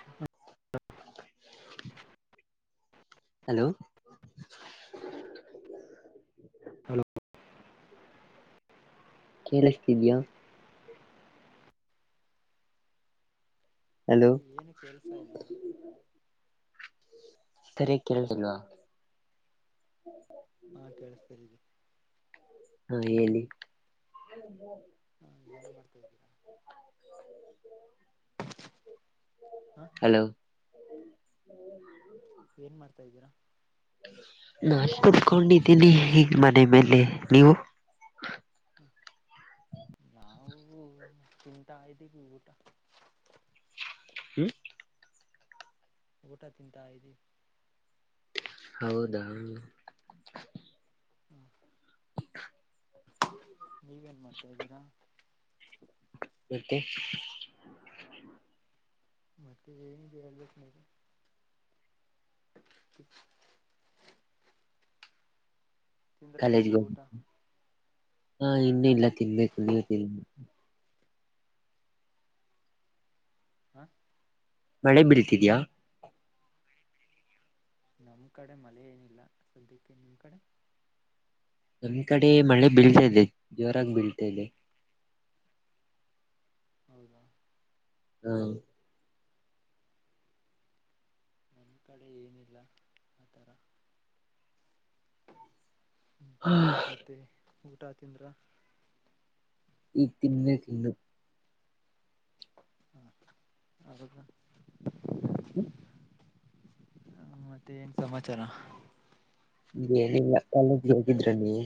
[inaudible] Hello hello ಕೇಳತಿದಯಾ hello ಈ ಏನು ಕೇಳುಸ್ತಾ ಇಲ್ಲ ಸರಿ ಕೇಳತಿಲ್ವಾ ಹಾ ಕೇಳಸ್ತರಿ ಹಾ ಹೇಳನಿ. ಹಾ ಏನ್ ಮಾಡ್ತಾ ಇದ್ದೀರಾ. ಹಾ ಹಲೋ. ಏನ್ ಮಾಡ್ತಾ ಇದ್ದೀರಾ. ನಾನ್ ಕತ್ಕೊಂಡಿದ್ದೀನಿ ಈಗ ಮನೆ ಮೇಲೆ ನೀವು. ಹ ನಾವು ತಿಂತಾ ಇದ್ದೀವಿ ಊಟ. ಹ್ಮ್. ಊಟ ತಿಂತಾ ಇದೀವಿ ಹೌದ ಹ್ಮ. ಹ. [unintelligible] [unintelligible] ಮತ್ತೆ. ಮತ್ತೆ ಏನುಲ್ಲ. ಹ. [unintelligible] ತಿಂದ್ರ ಕಾಲೇಜ್ಗೆ ನೀವು ಹೋಗ್ ಊಟ ಹಾ ಇನ್ನು ಇಲ್ಲ ತಿನ್ಬೇಕು ನೀವ ತಿನ್ಬೇಕ ಹಾ ಮಳೆ ಬೀಳ್ತಿದೆಯಾ ನಮ್ಮ ಕಡೆ ಮಳೆ ಏನಿಲ್ಲ ಸದ್ಯಕ್ಕೆ ನಿಮ್ಮ ಕಡೆ ನಮ್ ಕಡೆ ಮಳೆ ಬೀಳ್ತಾ ಇದೆ ಜೋರಾಗಿ ಬೀಳ್ತಾ ಇದೆ. ಹೌದಾ. ಹಾ. ನಮ್ಮ ಕಡೆ ಏನಿಲ್ಲ ಆ ಥರ. ಹಾ. [unintelligible] ಮತ್ತೆ ಊಟ ತಿಂದ್ರ. ಈಗ ತಿನ್ಬೇಕು ಹ ಅದು. ಹ್ಮ. ಹ ಮತ್ತೆ ಏನ್ ಸಮಾಚಾರ. ಏನಿಲ್ಲ ಕಾಲೇಜ್ಗೆ ಹೋಗಿದ್ರ ನೀವು.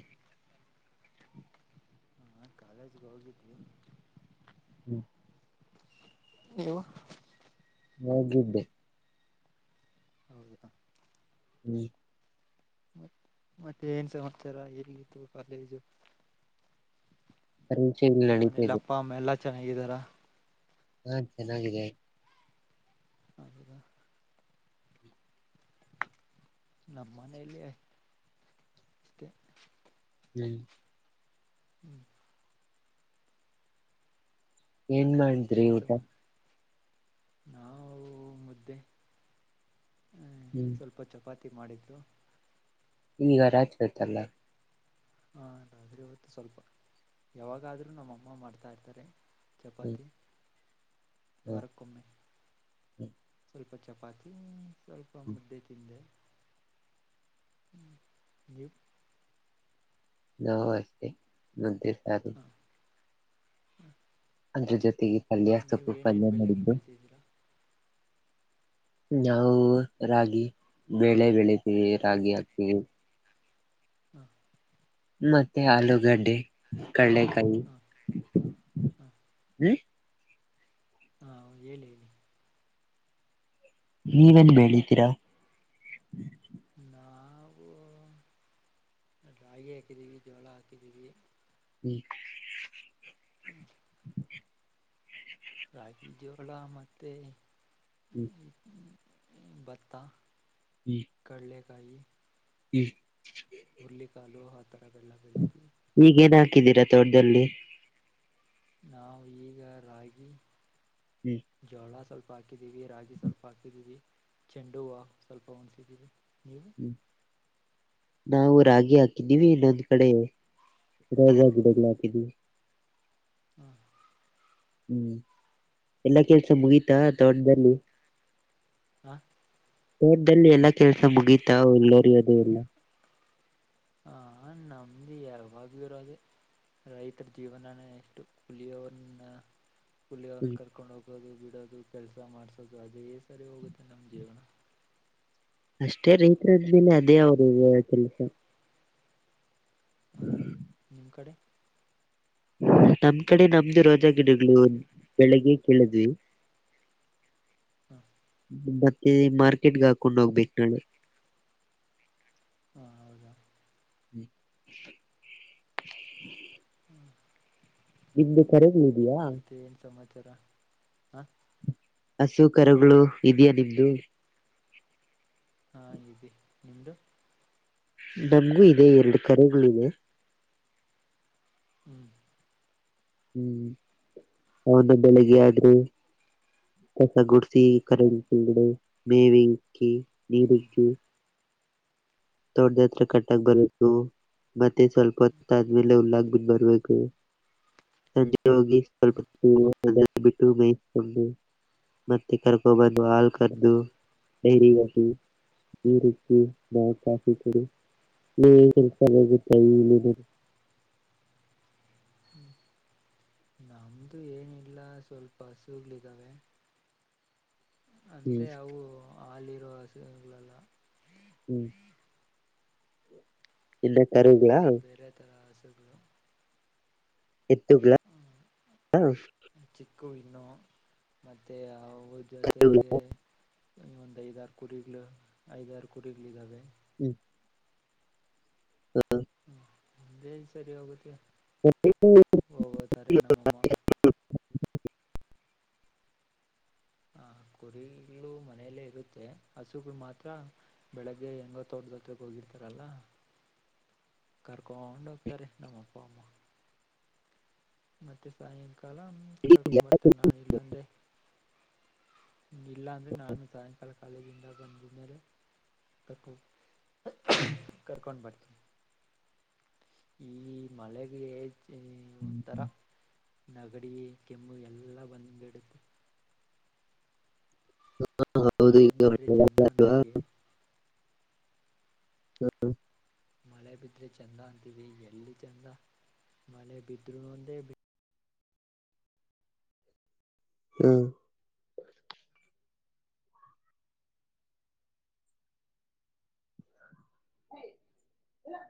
ಹ ಕಾಲೇಜ್ಗೆ ಹೋಗಿದ್ವಿ. ಹ್ಮ. ನೀವು. ಹೋಗಿದ್ದೆ ಹೌದಾ ಹ್ಮ್ ಮತ್ ಮತ್ತೆ ಏನ್ ಸಮಾಚಾರ ಎಲ್ಲಿಗಿತ್ತು ಕಾಲೇಜು ಪರೀಕ್ಷೆಗಳು ನಿಮ್ಮ ನಡೀತಾ ಮನೇಲಿ ಇದೆ ಅಪ್ಪ ಅಮ್ಮ ಎಲ್ಲಾ ಚೆನ್ನಾಗಿದ್ದಾರ ಹಾ ಚೆನ್ನಾಗಿದೆ ಹ ನಮ್ಮ ಮನೇೆಯಲ್ಲಿ ಹ್ಮ್ ಹ್ಮ್ ಏನ್ ಮತ್ತೆ ಮಾಡಿದ್ರಿ ಏನ್ಸ ಊಟ ನಾವು ಮುದ್ದೆ ಹ್ಮ್ ಸ್ವಲ್ಪ ಚಪಾತಿ ಮಾಡಿದ್ದು ಈಗ ರಾಜೋಯತಲ್ಲ ಹಾ ರತ್ರಿ ಇವತ್ತು ಸ್ವಲ್ಪ ಯಾವಾಗಾದ್ರೂ ನಮ್ಮ ಅಮ್ಮ ಮಾಡ್ತಾ ಇರ್ತಾರೆ ಹ್ಮ್ ಚಪಾತಿ ಹ್ಮ್ ವಾರಕ್ಕೊಮ್ಮೆ ಹ್ಮ್ ಸ್ವಲ್ಪ ಚಪಾತಿ ಸ್ವಲ್ಪ ಹ್ಮ್ ಮುದ್ದೆ ತಿಂದೆ ನೀ [unintelligible] [unintelligible] ಹ ಅದ್ರ ಜೊತೆಗೆ ಪಲ್ಯ ನೀವು ಸೊಪ್ಪು ಏನೇನು ಪಲ್ಯ ಬೆಳೆಗಳು ನೋಡಿದ್ದು ಬೆಳೆತಿದ್ದೀರಾ ನಾವು ರಾಗಿ ಬೆೇಳೆ ಬೆಳಿತೀವಿ ರಾಗಿ ಹಾಕ್ತೀವಿ ಹಾ ಮತ್ತೆ ಆಲೂಗಡ್ಡೆ ಕಡಲೆಕಾಯಿ ಹ ಹ ಹ್ಮ್ ಹಾ ಹೇಳಿ ಹೇಳಿ ನೀವೇನ್ ಬೆಳಿತೀರಾ ನಾವು ರಾಗಿ ಹಾಕಿದ್ದೀವಿ ಜೋಳ ಹಾಕಿದ್ದೀವಿ. ಹ್ಮ್ ಹ್ಮ ರಾಗಿ ಜೋಳ ಮತ್ತೇ ಹ್ಮ್ ಹ್ ಭತ್ತ ಕಳ್ಳೆ ಕಾಯಿ. ಹ್ಮ ಹುರ್ಲಿ ಕಾಳು ಹ ತರದ್ದೇಲ್ಲಾದು ಈಗೇನ್ ಹಾಕಿದ್ದೀರಾ ತೋಟದಲ್ಲಿ ನಾವು ಈಗ ರಾಗಿ ಹ್ಮ್ ಜೋಳ ಸ್ವಲ್ಪ ಹಾಕಿದೀವಿ ರಾಗಿ ಸ್ವಲ್ಪ ಹಾಕಿದೀವಿ. ಚೆಂಡು ಹೂವ ಸ್ವಲ್ಪ ಒಂದ್ ಸೈಡ್ ಇದೆ ನೀವು ಹ್ಮ್ ನಾವು ರಾಗಿ ಹಾಕಿದ್ದೀವಿ ಇನ್ನೊಂದ್ ಕಡೆ ರೊಜಾ ಗಿಡಗಳಾಕಿದ್ದೀವಿ. ಹ್ಮ ಹ್ಮ್ ಎಲ್ಲಾ ಕೆಲ್ಸ ಮುಗಿತಾ ತೋಟ್ದಲ್ಲಿ ಹಾ ತೋಟದಲ್ಲಿ ಎಲ್ಲಾ ಕೆಲ್ಸ ಮುಗೀತ ಹುಲ್ಲೋರಿಯೋದು ಎಲ್ಲ. ಹ ನಮ್ದು ಯಾವಾಗು ಇರೋದೆ. ರೈತರ ಜೀವನಾನೇ ಇಷ್ಟು ಕುಲಿಯೋನ್ನ ಕುಲಿಯನ್ನ ಕರ್ಕೊಂಡ್ ಹೋಗೋದು ಬಿಡೋದು ಕೆಲಸ ಮಾಡ್ಸೋದು ಅದೇ ಸರಿ ಹೋಗುತ್ತೆ ನಮ್ಮ ಜೀವನ. ಅಷ್ಟೇ ರೈತರ್ ಅದ್ಮೇಲೆ ಅದೇ ಅವ್ರ ಕೆಲ್ಸ. ಹಾ ನಿಮ್ಮ್ ಕಡೆ ನಮ್ ಕಡೆ ನಮ್ದು ರೋಜಾ ಗಿಡಗಳು ಬೆಳಿಗ್ಗೆ ಕೀಳಿದ್ವಿ. ಹಾ ಮತ್ತೆ ಮಾರ್ಕೆಟ್ ಹಾಕೊಂಡ್ ಹೋಗ್ಬೇಕ್ ನಾಳೆ ಹಾ ಹೌದಾ ಹ್ಞೂ ನಿಮ್ದು ಕರೆಗಳು ಇದೆಯಾ ಮತ್ತೆನ್ ಸಮಾಚಾರ ಹ ಹಸು ಕರುಗಳು ಇದ್ಯಾ ನಿಮ್ದು. ಹಾ ಇದಿ ನಿಮ್ದು ನಮ್ಗು ಇದೆ ಎರಡು ಕರುಗಳಿವೆ. ಹ್ಮ್ ಹ್ಮ್ ಅವನು ಬೆಳಿಗ್ಗೆ ಆದ್ರೆ. ಕಸ ಗುಡಸಿ ಕರೂಗಳ್ ಬಿಡು ಮೇವಿಕ್ಕಿ ಹ್ಞೂ ಹ್ಞೂ ನೀರಿಕ್ಕಿ ತೋಟದತ್ರ ಕಟ್ಟಕ್ ಬರುತ್ತು. ಮತ್ತೆ ಸ್ವಲ್ಪ ಹೊತ್ತಾದ್ಮೇಲೆ ಹುಲ್ಲಾಕ್ ಬಿಟ್ ಬರ್ಬೇಕು. ಸಂಜೆ ಹೋಗಿ ಸ್ವಲ್ಪ [unintelligible] ಬಿಟ್ಟು ಮೈಸ್ಕೊಂಡು ಮತ್ತೆ ಕರ್ಕೊಬಂದು ಹಾಲ್ ಹ್ಞೂ ಕರ್ದು ಡೈರಿಗ್ ಹಾಕಿ. ಹ್ಞೂ ಹ್ಞೂ ನೀರಿಕ್ಕಿ ನಾ ಕಾಫಿ ಕುಡಿ ಹ್ಞೂ ನೀರ್ [unintelligible] ನಮ್ದು ಏನಿಲ್ ಲ್ಲ ಸ್ವಲ್ಪ ಹಸೂಗ್ಳಿದ್ದಾವೆ. ಹ್ಮ್ ಅಂದ್ರೆ ಅವು ಹಾಲಿರೊ ಹಸುಗಳಲ್ಲ. ಹ್ಮ್ ಇನ್ನ ಕರುಗಳ ಇದು ಬೇರೆ ಥರ ಹಸುಗಳು ಎತ್ತುಲ ಹ ಚಿಕ್ಕು ಇನ್ನು ಮತ್ತೆ ಅವು ಜೊತೆಗೆ ಒಂದ್ ಐದಾರು ಕುರಿಗಳು ಐದಾರು ಕುರಿಗಳು ಇದಾವೆ ಹ್ಮ್ ಹ್ಮ ಹ್ಮ್ ಅದೇ ಸರಿ ಹೋಗುತ್ತೆ ಹ ಹೋಗೋತಾರೆ ನಮ್ಮಮ್ಮ ಹ ಕುರಿಗಳು ಮನೆಯಲ್ಲೇ ಇರುತ್ತೆ ಹಸುಗಳು ಮಾತ್ರ ಬೆಳಗ್ಗೆ ಹೆಂಗೋ ತೋಟದೊತ್ತಗೆ ಹೋಗಿರ್ತಾರಲ್ಲ ಕರ್ಕೊಂಡು ಹೋಗ್ತಾರೆ ನಮ್ಮ ಅಪ್ಪ ಅಮ್ಮ ಮತ್ತೆ ಸಾಯಂಕಾಲ ಕಳ್ಕೊ್ ಬರ್ತನೆ ನಾನ್ ಇಲ್ಲಾಂದೆ ಇಲ್ಲಾಂದ್ರೆ ನಾನು ಸಾಯಂಕಾಲ ಕಾಲೇಜಿಂದ ಬಂದಿದ ಮೇಲೆ ಕರ್ಕು ಕರ್ಕೊಂಡು ಬರ್ತೀನಿ ಈ ಮಳೆಗೆಜ್ ಒಂಥರ ನಗಡಿ ಕೆಮ್ಮು ಎಲ್ಲ ಬಂದ್ಬಿಡುತ್ತೆ ಹೌದು ಮಳೆ ಈಗ ಬಿಂದ್ರೆ ಮಳೆಗಾಲ ಅಲ್ವಾ ಚೆಂದಂತಿಗೆ ಮಳೆ ಬಿದ್ರೆ ಚಂದ ಅಂತವಿ ಎಲ್ಲಿ ಚಂದ ಮನೆ ಬಿದ್ರು ನಂದೇ ಹಾ